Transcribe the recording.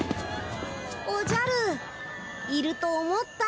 おじゃるいると思った。